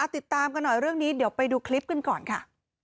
ติดตามกันหน่อยเรื่องนี้เดี๋ยวไปดูคลิปกันก่อนค่ะ